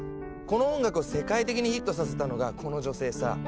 この音楽を世界的にヒットさせたのがこの女性さ。